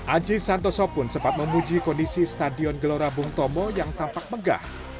aji santoso pun sempat memuji kondisi stadion gelora bung tomo yang tampak megah